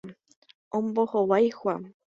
Ombohovái Juan.